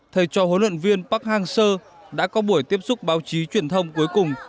thầy trò huấn luyện viên park hang seo đã có buổi tiếp xúc báo chí truyền thông cuối cùng